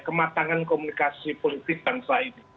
kematangan komunikasi politik bangsa ini